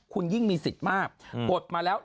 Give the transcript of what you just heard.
คุณยิ่งมีสิทธิ์มากกดมาแล้ว